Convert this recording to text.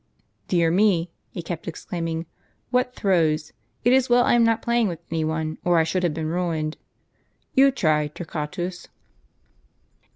"Dear me! " he kept exclaiming, "Avhat throws! It is well I am not playing with any one, or I should have been ruined. You try, Torquatus."